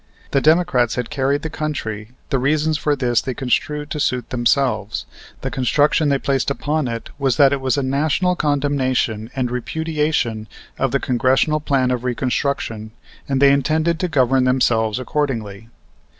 The Democrats had carried the country; the reasons for this they construed to suit themselves. The construction they placed upon it was that it was a national condemnation and repudiation of the Congressional Plan of Reconstruction, and they intended to govern themselves accordingly.